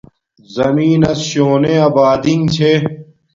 زمین نس شونے آبادینگ چھے